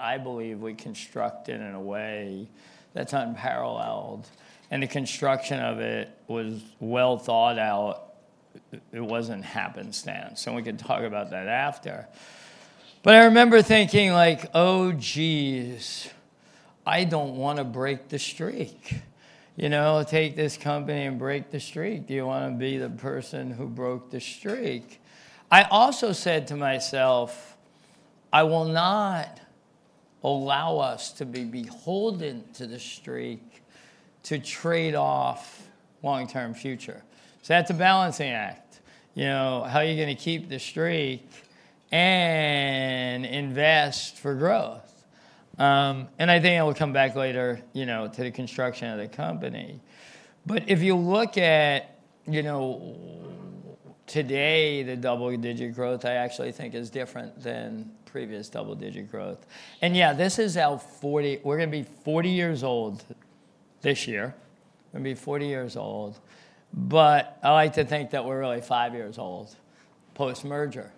I believe we constructed in a way that's unparalleled, and the construction of it was well thought out. It, it wasn't happenstance, and we can talk about that after. But I remember thinking like: "Oh, geez, I don't wanna break the streak. You know, take this company and break the streak. Do you wanna be the person who broke the streak?" I also said to myself: "I will not allow us to be beholden to the streak to trade off long-term future." So that's a balancing act. You know, how are you gonna keep the streak and invest for growth? And I think I will come back later, you know, to the construction of the company. But if you look at, you know, today, the double-digit growth, I actually think is different than previous double-digit growth. Yeah, this is our 40. We're gonna be 40 years old this year. We're gonna be 40 years old, but I like to think that we're really 5 years old, post-merger.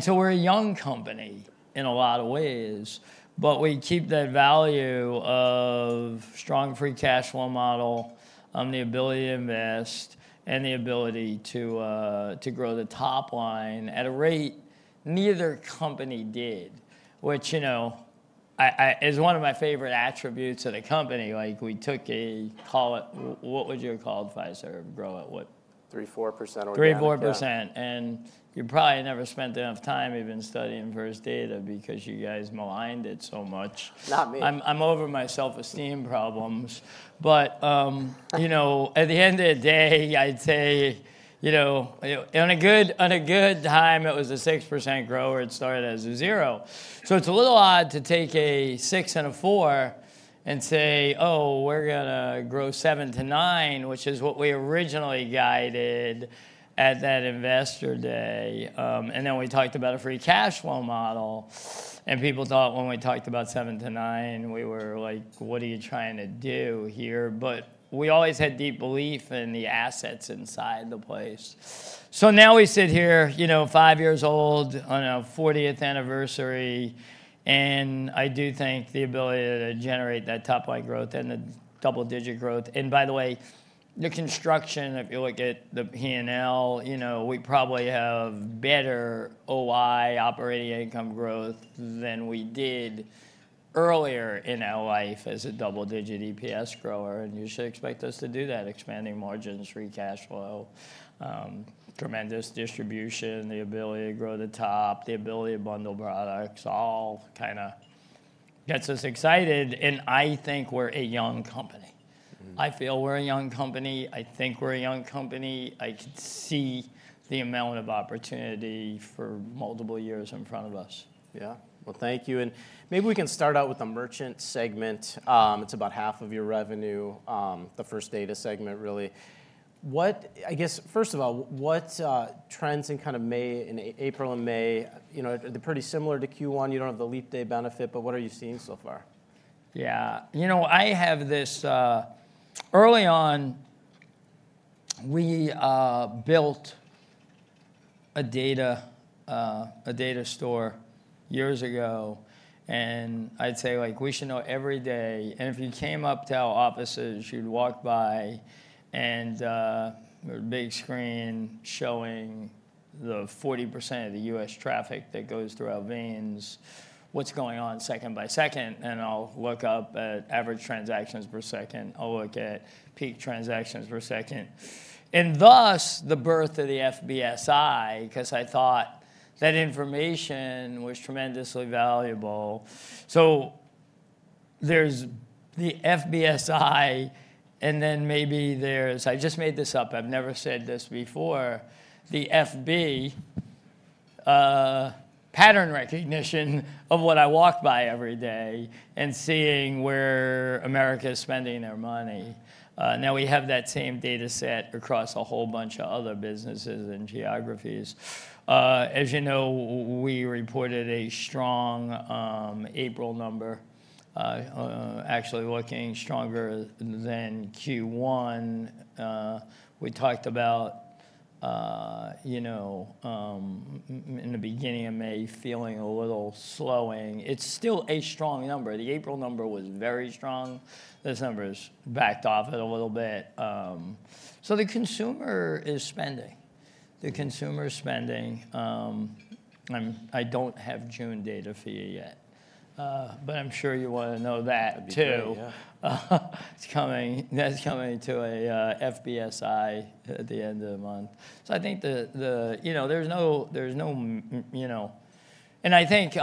So we're a young company in a lot of ways, but we keep that value of strong free cash flow model, the ability to invest, and the ability to grow the top line at a rate neither company did, which, you know, is one of my favorite attributes of the company. Like, we took a, call it, what would you call Fiserv grow at what? 3-4% or down, yeah. 3-4%. And you probably never spent enough time even studying First Data because you guys mined it so much. Not me. I'm over my self-esteem problems, but you know, at the end of the day, I'd say, you know, on a good time, it was a 6% grower, it started as a 0. So it's a little odd to take a 6 and a 4 and say: "Oh, we're gonna grow 7%-9%," which is what we originally guided at that Investor Day. And then we talked about a free cash flow model, and people thought when we talked about 7%-9%, we were like: "What are you trying to do here?" But we always had deep belief in the assets inside the place. So now we sit here, you know, 5 years old, on our 40th anniversary, and I do think the ability to generate that top line growth and the double-digit growth... And by the way, the construction, if you look at the P&L, you know, we probably have better OI, operating income growth, than we did earlier in our life as a double-digit EPS grower. And you should expect us to do that, expanding margins, free cash flow, tremendous distribution, the ability to grow the top, the ability to bundle products, all kinda gets us excited, and I think we're a young company. Mm-hmm. I feel we're a young company, I think we're a young company. I could see the amount of opportunity for multiple years in front of us. Yeah. Well, thank you. And maybe we can start out with the merchant segment. It's about half of your revenue, the First Data segment, really. I guess, first of all, what trends in kind of May, in April and May, you know, they're pretty similar to Q1? You don't have the leap day benefit, but what are you seeing so far? Yeah. You know, I have this. Early on, we built a data, a data store years ago, and I'd say, like: "We should know every day," and if you came up to our offices, you'd walk by and, a big screen showing the 40% of the US traffic that goes through our veins, what's going on second by second, and I'll look up at average transactions per second. I'll look at peak transactions per second. And thus, the birth of the FBSI, 'cause I thought that information was tremendously valuable. So there's the FBSI, and then maybe there's, I just made this up, I've never said this before, the FB, pattern recognition of what I walk by every day and seeing where America is spending their money. Now we have that same data set across a whole bunch of other businesses and geographies. As you know, we reported a strong April number, actually looking stronger than Q1. We talked about, you know, in the beginning of May, feeling a little slowing. It's still a strong number. The April number was very strong. This number is backed off it a little bit. So the consumer is spending. Mm-hmm. The consumer is spending, and I don't have June data for you yet, but I'm sure you wanna know that, too. That'd be great, yeah. It's coming. That's coming to a FBSI at the end of the month. So I think you know, there's no, there's no you know. And I think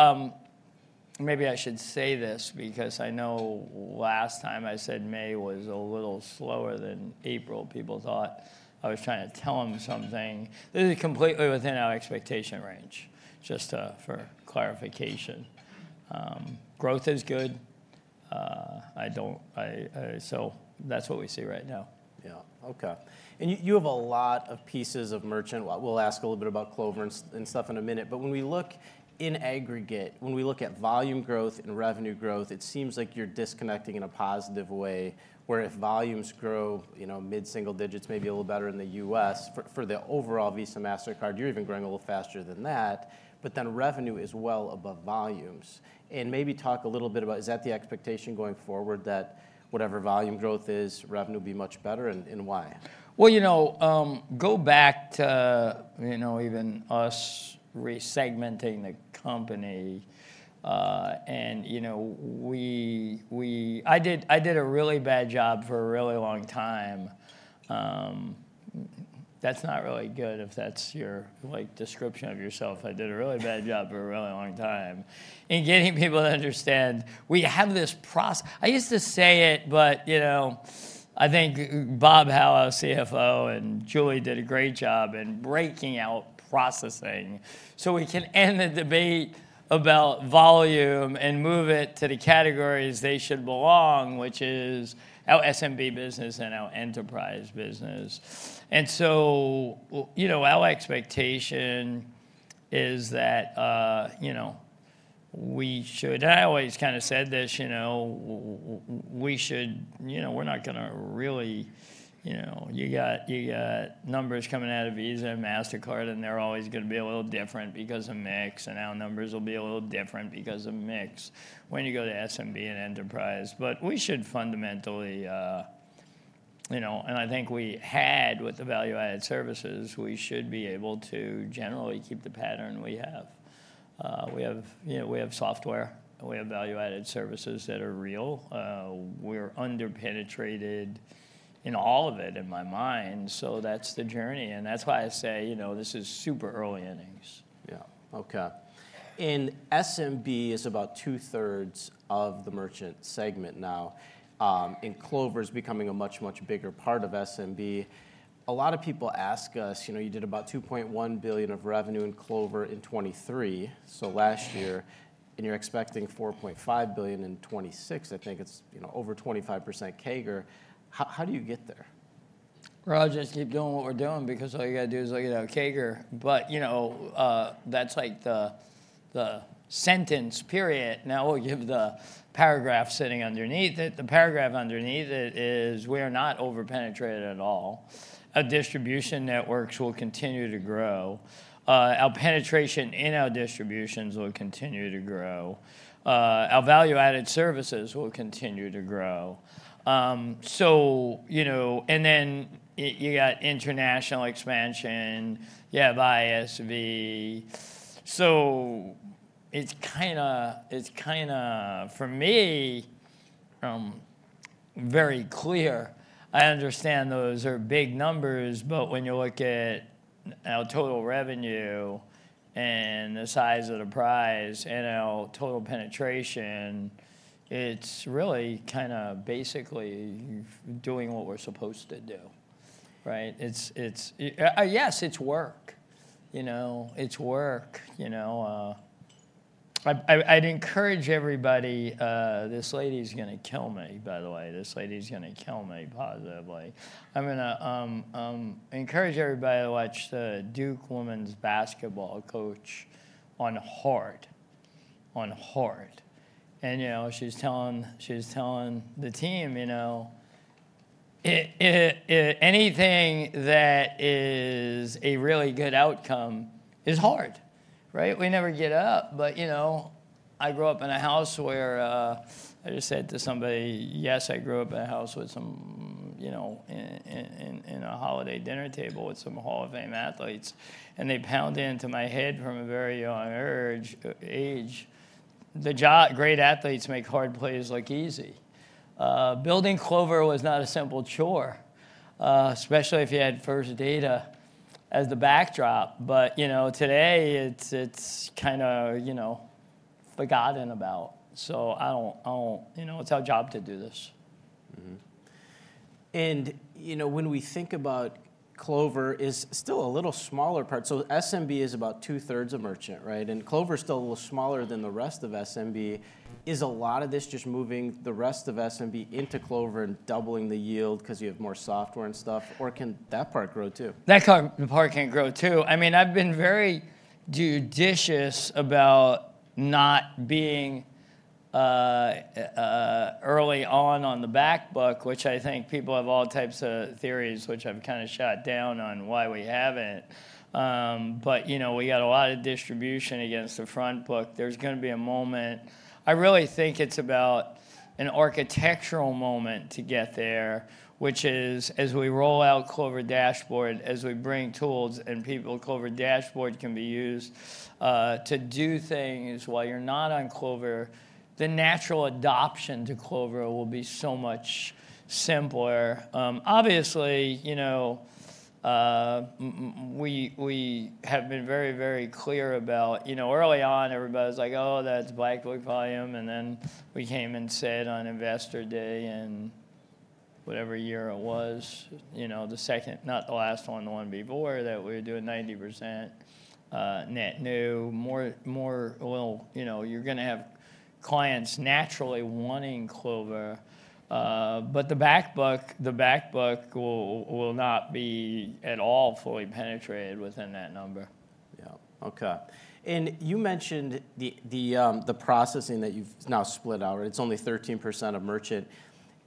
maybe I should say this because I know last time I said May was a little slower than April, people thought I was trying to tell them something. This is completely within our expectation range, just for clarification. Growth is good. So that's what we see right now. Yeah. Okay. And you have a lot of pieces of merchant. We'll ask a little bit about Clover and stuff in a minute, but when we look in aggregate, when we look at volume growth and revenue growth, it seems like you're disconnecting in a positive way, where if volumes grow, you know, mid-single digits, maybe a little better in the US, for the overall Visa, Mastercard, you're even growing a little faster than that, but then revenue is well above volumes. And maybe talk a little bit about, is that the expectation going forward, that whatever volume growth is, revenue will be much better, and why? Well, you know, go back to, you know, even us re-segmenting the company, and, you know, I did a really bad job for a really long time. That's not really good if that's your, like, description of yourself. I did a really bad job for a really long time in getting people to understand we have this proc- I used to say it, but, you know, I think Bob Hau, CFO, and Julie did a great job in breaking out processing so we can end the debate about volume and move it to the categories they should belong, which is our SMB business and our enterprise business. And so, you know, our expectation is that, you know, we should, and I always kind of said this, you know, we should, you know, we're not gonna really, you know, you got, you got numbers coming out of Visa and Mastercard, and they're always gonna be a little different because of mix, and our numbers will be a little different because of mix when you go to SMB and enterprise. But we should fundamentally, you know, and I think we had, with the value-added services, we should be able to generally keep the pattern we have. We have, you know, we have software, and we have value-added services that are real. We're under-penetrated in all of it, in my mind, so that's the journey, and that's why I say, you know, this is super early innings. Yeah. Okay. SMB is about two-thirds of the merchant segment now, and Clover's becoming a much, much bigger part of SMB. A lot of people ask us, you know, you did about $2.1 billion of revenue in Clover in 2023, so last year, and you're expecting $4.5 billion in 2026. I think it's, you know, over 25% CAGR. How do you get there? Well, just keep doing what we're doing, because all you gotta do is look at our CAGR. But, you know, that's like the sentence, period. Now, we give the paragraph sitting underneath it. The paragraph underneath it is, we are not over-penetrated at all. Our distribution networks will continue to grow. Our penetration in our distributions will continue to grow. Our value-added services will continue to grow. So, you know, and then you got international expansion, you have ISV. So it's kinda, it's kinda, for me, very clear. I understand those are big numbers, but when you look at our total revenue and the size of the prize and our total penetration, it's really kinda basically doing what we're supposed to do, right? It's, it's, yes, it's work. You know, it's work, you know... I'd encourage everybody, this lady's gonna kill me, by the way, this lady's gonna kill me, positively. I'm gonna encourage everybody to watch the Duke women's basketball coach on heart, on heart. You know, she's telling the team, you know, it, anything that is a really good outcome is hard, right? You know, I grew up in a house where I just said to somebody, "Yes, I grew up in a house with some, you know, in a holiday dinner table with some Hall of Fame athletes," and they pounded into my head from a very young age, "The great athletes make hard plays look easy." Building Clover was not a simple chore, especially if you had First Data as the backdrop, but, you know, today, it's kinda, you know, forgotten about. So I don't... You know, it's our job to do this. Mm-hmm. And, you know, when we think about Clover is still a little smaller part. So SMB is about two-thirds of merchant, right? And Clover's still a little smaller than the rest of SMB. Is a lot of this just moving the rest of SMB into Clover and doubling the yield 'cause you have more software and stuff, or can that part grow, too? That card part can grow, too. I mean, I've been very judicious about not being early on on the back book, which I think people have all types of theories, which I've kinda shot down on why we haven't. But you know, we got a lot of distribution against the front book. There's gonna be a moment. I really think it's about an architectural moment to get there, which is, as we roll out Clover Dashboard, as we bring tools and people, Clover Dashboard can be used to do things while you're not on Clover, the natural adoption to Clover will be so much simpler. Obviously, you know, we have been very, very clear about, you know, early on, everybody was like: "Oh, that's back book volume," and then we came and said on Investor Day and-... whatever year it was, you know, the second, not the last one, the one before, that we were doing 90% net new. More, more, well, you know, you're gonna have clients naturally wanting Clover, but the back book, the back book will, will not be at all fully penetrated within that number. Yeah. Okay. And you mentioned the processing that you've now split out, right? It's only 13% of merchant.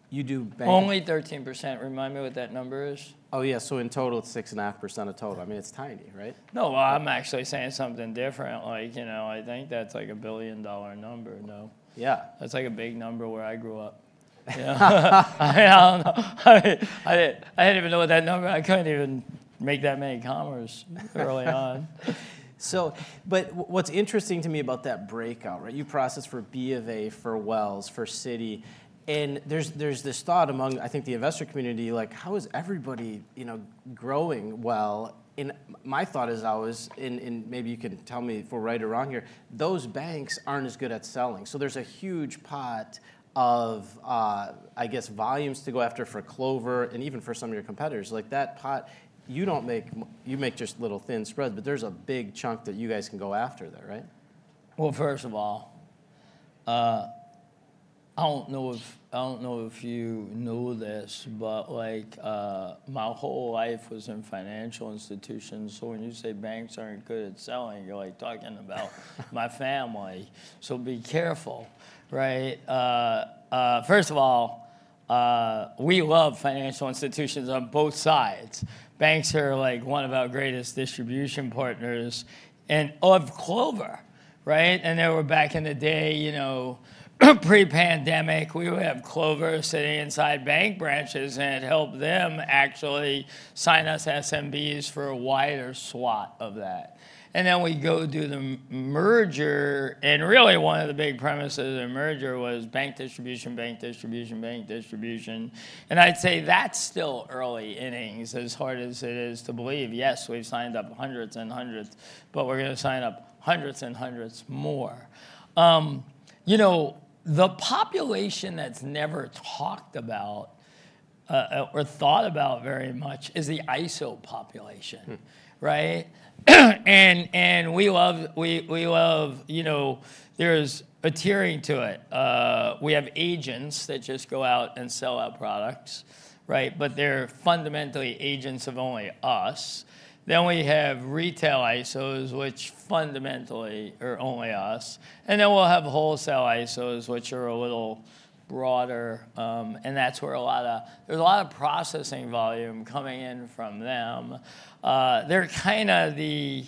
You do bank- Only 13%. Remind me what that number is. Oh, yeah, so in total, it's 6.5% of total. I mean, it's tiny, right? No, I'm actually saying something different, like, you know, I think that's like a billion-dollar number, no? Yeah. That's, like, a big number where I grew up. I don't know. I didn't even know what that number... I couldn't even make that many commas early on. But what's interesting to me about that breakout, right? You process for BofA, for Wells, for Citi, and there's this thought among, I think, the investor community, like, how is everybody, you know, growing well? And my thought is always, and maybe you can tell me if we're right or wrong here, those banks aren't as good at selling. So there's a huge pot of, I guess, volumes to go after for Clover and even for some of your competitors. Like, that pot, you make just little thin spreads, but there's a big chunk that you guys can go after there, right? Well, first of all, I don't know if, I don't know if you know this, but, like, my whole life was in financial institutions, so when you say banks aren't good at selling, you're, like, talking about my family, so be careful, right? First of all, we love financial institutions on both sides. Banks are, like, one of our greatest distribution partners, and of Clover, right? And they were back in the day, you know, pre-pandemic, we would have Clover sitting inside bank branches, and it helped them actually sign us SMBs for a wider swath of that. And then we go do the merger, and really, one of the big premises of the merger was bank distribution, bank distribution, bank distribution. And I'd say that's still early innings, as hard as it is to believe. Yes, we've signed up hundreds and hundreds, but we're gonna sign up hundreds and hundreds more. You know, the population that's never talked about or thought about very much is the ISO population- Mm.... right? And we love, you know, there's a tiering to it. We have agents that just go out and sell our products, right? But they're fundamentally agents of only us. Then we have retail ISOs, which fundamentally are only us, and then we'll have wholesale ISOs, which are a little broader, and that's where a lot of... There's a lot of processing volume coming in from them. They're kind of the,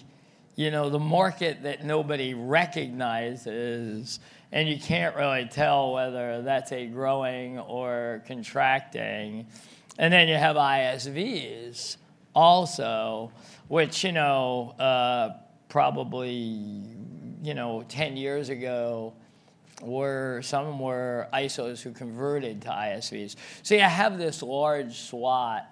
you know, the market that nobody recognizes, and you can't really tell whether that's a growing or contracting. And then you have ISVs also, which, you know, probably, you know, ten years ago, were some were ISOs who converted to ISVs. So yeah, I have this large swath,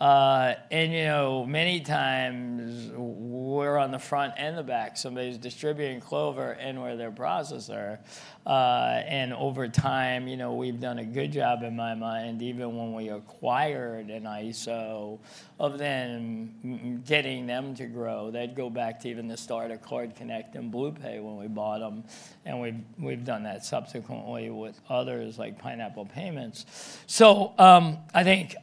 and, you know, many times we're on the front and the back. Somebody's distributing Clover and we're their processor. And over time, you know, we've done a good job, in my mind, even when we acquired an ISO, of then getting them to grow. They'd go back to even the start of CardConnect and BluePay when we bought them, and we've done that subsequently with others, like Pineapple Payments. So, I think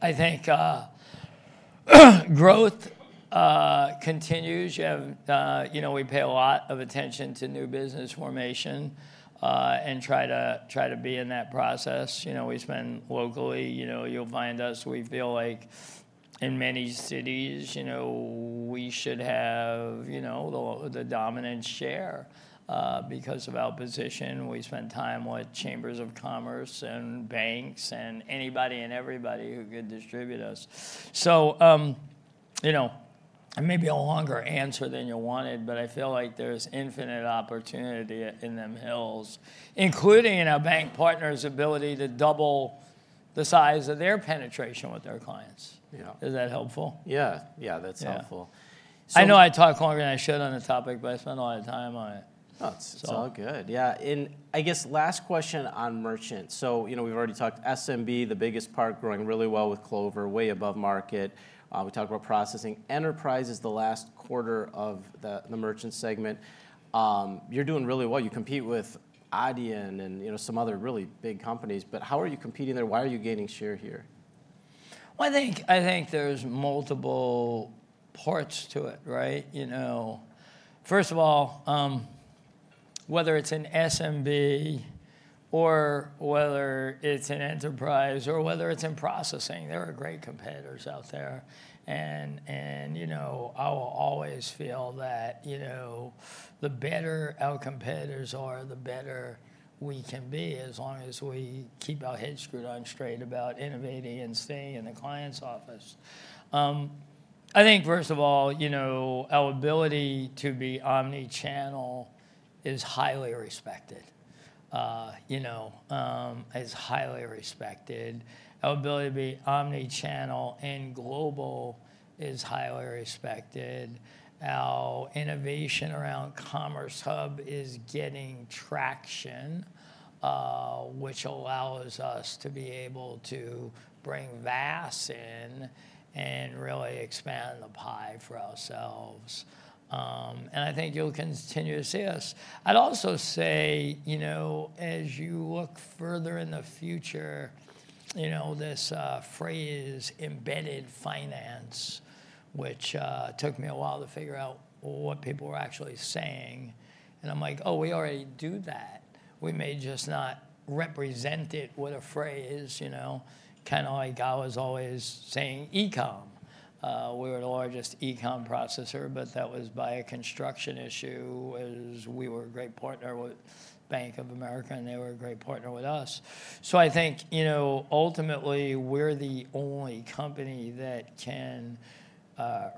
growth continues. You know, we pay a lot of attention to new business formation and try to be in that process. You know, we spend locally. You know, you'll find us, we feel like in many cities, you know, we should have the dominant share because of our position. We spend time with chambers of commerce and banks and anybody and everybody who could distribute us. So, you know, it may be a longer answer than you wanted, but I feel like there's infinite opportunity in them hills, including in our bank partners' ability to double the size of their penetration with their clients. Yeah. Is that helpful? Yeah, yeah, that's helpful. Yeah. So- I know I talked longer than I should on the topic, but I spent a lot of time on it. No, it's all good. Yeah, and I guess last question on merchants. So, you know, we've already talked SMB, the biggest part, growing really well with Clover, way above market. We talked about processing. Enterprise is the last quarter of the merchant segment. You're doing really well. You compete with Adyen and, you know, some other really big companies, but how are you competing there? Why are you gaining share here? Well, I think there's multiple parts to it, right? You know, first of all, whether it's in SMB, or whether it's in enterprise, or whether it's in processing, there are great competitors out there. You know, I will always feel that, you know, the better our competitors are, the better we can be, as long as we keep our heads screwed on straight about innovating and staying in the client's office. I think, first of all, you know, our ability to be omni-channel is highly respected, you know, is highly respected. Our ability to be omni-channel and global is highly respected. Our innovation around Commerce Hub is getting traction, which allows us to be able to bring VAS in and really expand the pie for ourselves. And I think you'll continue to see us. I'd also say, you know, as you look further in the future, you know, this, phrase, embedded finance, which, took me a while to figure out what people were actually saying, and I'm like: Oh, we already do that. We may just not represent it with a phrase, you know? Kinda like I was always saying e-com. We were the largest e-com processor, but that was by a construction issue, as we were a great partner with Bank of America, and they were a great partner with us. So I think, you know, ultimately, we're the only company that can,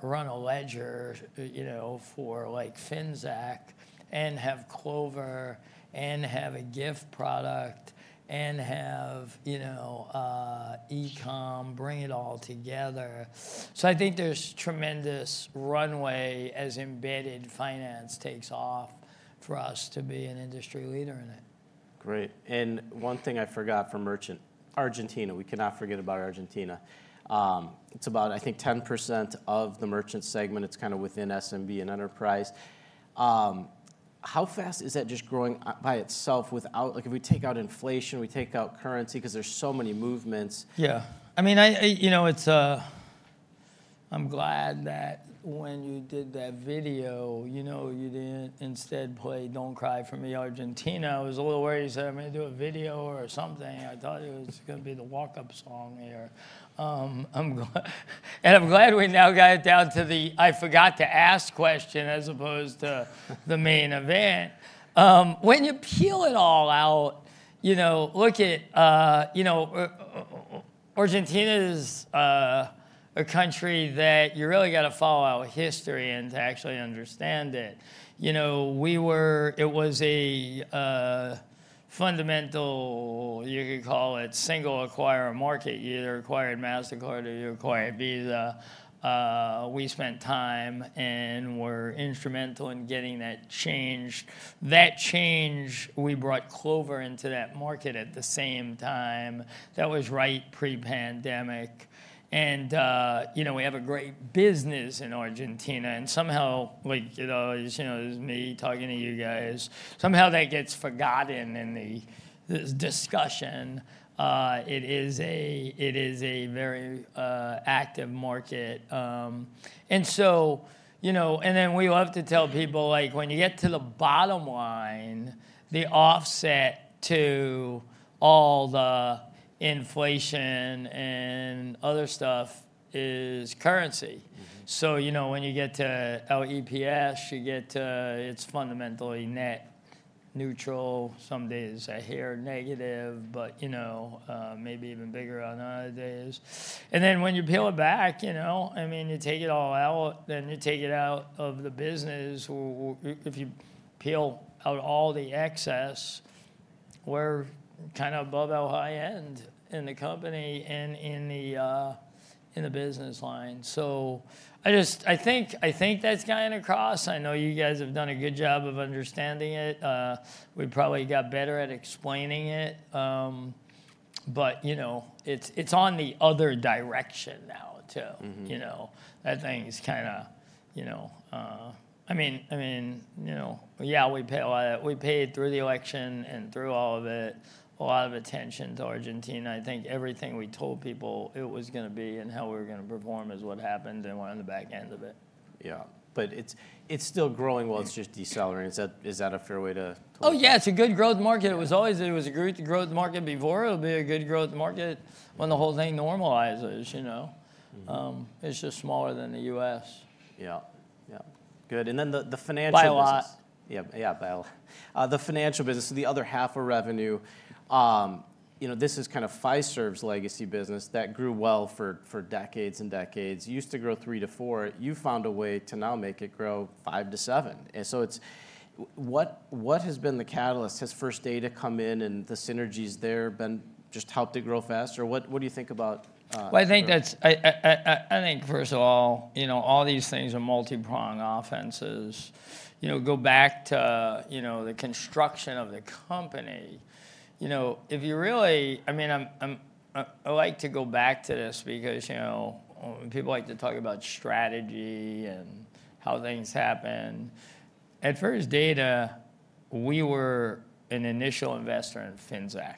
run a ledger, you know, for, like, Finxact and have Clover and have a gift product and have, you know, e-com, bring it all together. So I think there's tremendous runway as embedded finance takes off, for us to be an industry leader in it. Great. And one thing I forgot for merchant, Argentina, we cannot forget about Argentina. It's about, I think, 10% of the merchant segment. It's kind of within SMB and enterprise. How fast is that just growing by itself without- like, if we take out inflation, we take out currency, 'cause there's so many movements. Yeah. I mean, you know, it's... I'm glad that when you did that video, you know, you didn't instead play Don't Cry for Me Argentina. I was a little worried you said, "I'm gonna do a video or something," I thought it was gonna be the walk-up song here. And I'm glad we now got it down to the I forgot to ask question, as opposed to the main event. When you peel it all out, you know, look at, you know, Argentina is a country that you really gotta follow our history and to actually understand it. You know, it was a fundamental, you could call it, single acquirer market. You either acquired Mastercard or you acquired Visa. We spent time, and we're instrumental in getting that change. That change, we brought Clover into that market at the same time, that was right pre-pandemic. And you know, we have a great business in Argentina, and somehow, like, you know, it's, you know, it's me talking to you guys, somehow that gets forgotten in this discussion. It is a very active market. And so, you know, and then we love to tell people, like, when you get to the bottom line, the offset to all the inflation and other stuff is currency. Mm-hmm. So, you know, when you get to our EPS, you get to, it's fundamentally net neutral. Some days I hear negative, but, you know, maybe even bigger on other days. And then when you peel it back, you know, I mean, you take it all out, then you take it out of the business, if you peel out all the excess, we're kind of above our high end in the company and in the, in the business line. So I just... I think, I think that's getting across. I know you guys have done a good job of understanding it. We probably got better at explaining it, but, you know, it's, it's on the other direction now, too. Mm-hmm. You know? That thing is kinda, you know, I mean, you know, yeah, we pay a lot. We paid through the election and through all of it, a lot of attention to Argentina. I think everything we told people it was gonna be and how we were gonna perform is what happened, and we're on the back end of it. Yeah. But it's, it's still growing well, it's just decelerating. Is that, is that a fair way to- Oh, yeah, it's a good growth market. Yeah. It was always, it was a good growth market before. It'll be a good growth market when the whole thing normalizes, you know. Mm-hmm. It's just smaller than the US. Yeah, yeah. Good, and then the, the financial business- By a lot. Yeah, yeah, by a lot. The financial business, the other half of revenue, you know, this is kind of Fiserv's legacy business that grew well for decades and decades. It used to grow 3-4. You found a way to now make it grow 5-7. And so it's... What has been the catalyst? Has First Data come in, and the synergies there been just helped it grow fast, or what do you think about? Well, I think that's... I think, first of all, you know, all these things are multi-prong offenses. You know, go back to, you know, the construction of the company. You know, if you really, I mean, I like to go back to this because, you know, people like to talk about strategy and how things happened. At First Data, we were an initial investor in Finxact.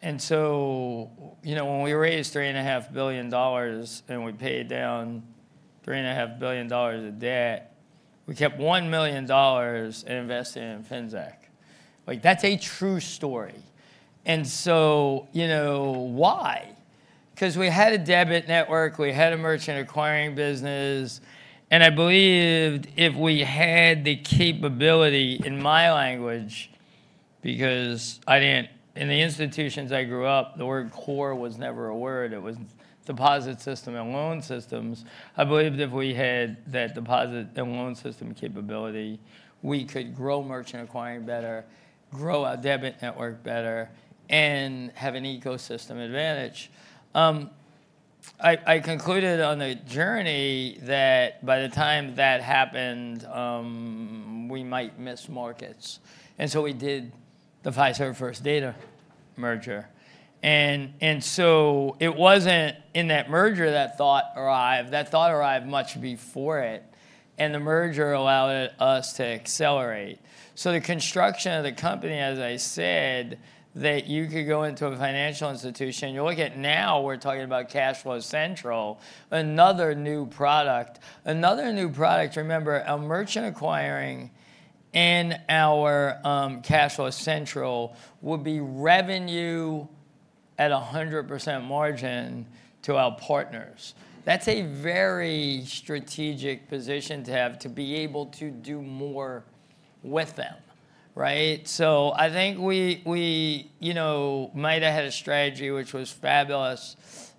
And so, you know, when we raised $3.5 billion, and we paid down $3.5 billion of debt, we kept $1 million and invested in Finxact. Like, that's a true story. And so, you know, why? 'Cause we had a debit network, we had a merchant acquiring business, and I believed if we had the capability, in my language, because I didn't... In the institutions I grew up, the word core was never a word, it was deposit system and loan systems. I believed if we had that deposit and loan system capability, we could grow merchant acquiring better, grow our debit network better, and have an ecosystem advantage. I concluded on the journey that by the time that happened, we might miss markets, and so we did the Fiserv First Data merger. And so it wasn't in that merger that thought arrived, that thought arrived much before it, and the merger allowed us to accelerate. So the construction of the company, as I said, that you could go into a financial institution, you look at now, we're talking about Cash Flow Central, another new product. Another new product, remember, our merchant acquiring and our Cash Flow Central would be revenue at 100% margin to our partners. That's a very strategic position to have to be able to do more with them, right? So I think we, you know, might have had a strategy which was fabulous,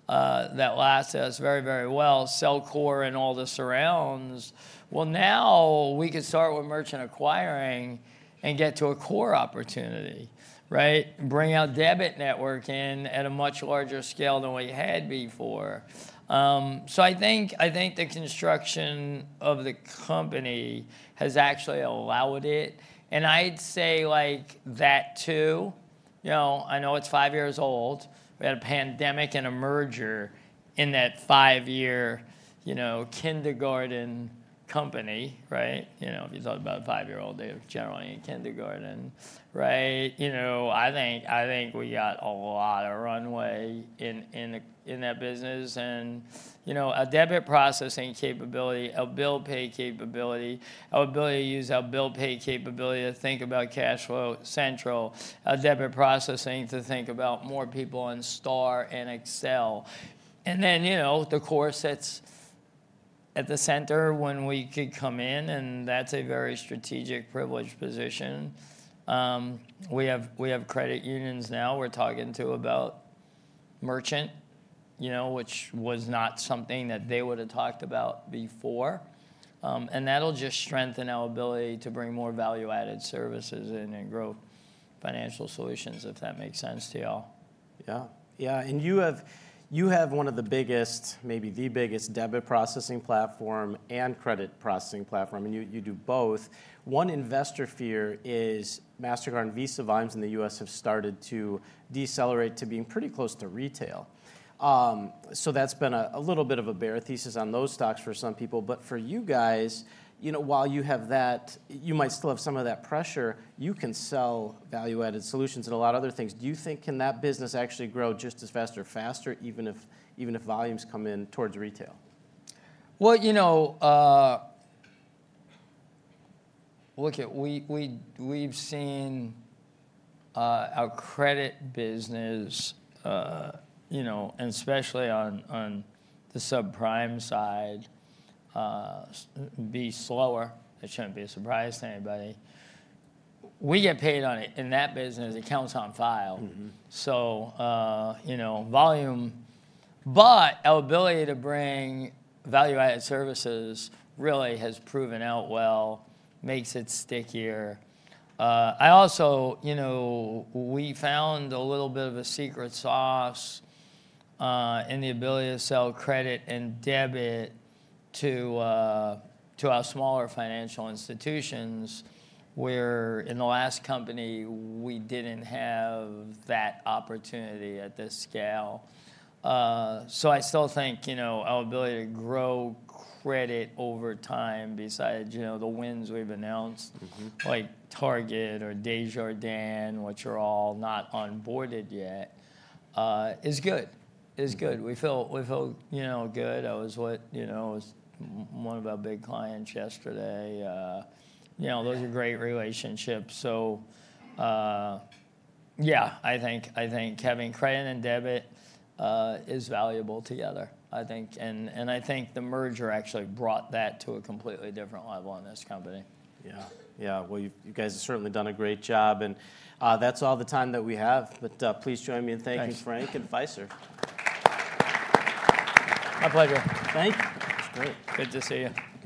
that lasted us very, very well, sell core and all the surrounds. Well, now we can start with merchant acquiring and get to a core opportunity, right? Bring our debit network in at a much larger scale than we had before. So I think the construction of the company has actually allowed it, and I'd say like that too, you know, I know it's five years old. We had a pandemic and a merger in that five-year, you know, kindergarten company, right? You know, if you thought about a five-year-old, they're generally in kindergarten, right? You know, I think we got a lot of runway in that business and, you know, a debit processing capability, a bill pay capability, our ability to use our bill pay capability to think about CashFlow Central, a debit processing to think about more people in Star and Accel. And then, you know, the core sets at the center when we could come in, and that's a very strategic, privileged position. We have credit unions now we're talking to about merchant, you know, which was not something that they would've talked about before. And that'll just strengthen our ability to bring more value-added services in and grow Financial Solutions, if that makes sense to y'all. Yeah. Yeah, and you have, you have one of the biggest, maybe the biggest, debit processing platform and credit processing platform, and you, you do both. One investor fear is Mastercard and Visa volumes in the U.S. have started to decelerate to being pretty close to retail. So that's been a little bit of a bear thesis on those stocks for some people, but for you guys, you know, while you have that, you might still have some of that pressure, you can sell value-added solutions and a lot of other things. Do you think, can that business actually grow just as fast or faster, even if, even if volumes come in towards retail? Well, you know, look at, we've seen our credit business, you know, and especially on the subprime side, be slower. It shouldn't be a surprise to anybody. We get paid on it in that business, accounts on file. Mm-hmm. So, you know, volume, but our ability to bring value-added services really has proven out well, makes it stickier. I also. You know, we found a little bit of a secret sauce, in the ability to sell credit and debit to, to our smaller financial institutions, where in the last company, we didn't have that opportunity at this scale. So I still think, you know, our ability to grow credit over time, besides, you know, the wins we've announced- Mm-hmm... like Target or Desjardins, which are all not onboarded yet, is good. Is good. We feel, we feel, you know, good. I was with, you know, one of our big clients yesterday, you know, those are great relationships. So, yeah, I think, I think having credit and debit is valuable together, I think, and, and I think the merger actually brought that to a completely different level in this company. Yeah. Yeah, well, you, you guys have certainly done a great job, and that's all the time that we have. But, please join me in thanking Frank and Fiserv. My pleasure. Thank you. It's great. Good to see you.